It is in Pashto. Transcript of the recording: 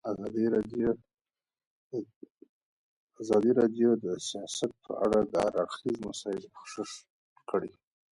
ازادي راډیو د سیاست په اړه د هر اړخیزو مسایلو پوښښ کړی.